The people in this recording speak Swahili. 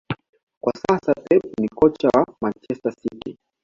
kwa sasa Pep ni kocha wa Manchester City